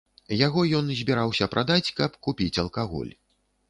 Яго ён збіраўся прадаць, каб купіць алкаголь.